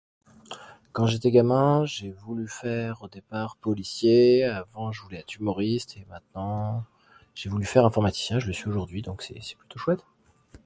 Quand j'étais gamin j'ai voulu faire au départ policier et avant je voulais être humoriste. Et maintenant, j'ai voulu faire informaticien et je le suis aujourd'hui donc c'est plutôt chouette !